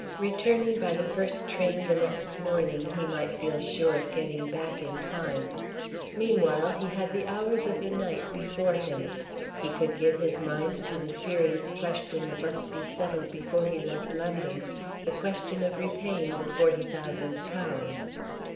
Returning by the first train the next morning, he might feel sure of getting back in time. Meanwhile he had the hours of the night before him. He could give his mind to the serious question that must be settled before he left London the question of repaying the forty thousand pounds.